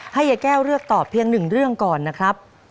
ให้ยายแก้วเลือกตอบเพียงหนึ่งเรื่องก่อนนะครับ